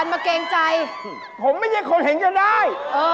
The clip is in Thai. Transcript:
บอกนี้ดีก็ได้